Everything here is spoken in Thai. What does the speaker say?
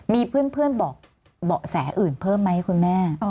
มีเพื่อนบอกเบาะแสอื่นเพิ่มไหมคุณแม่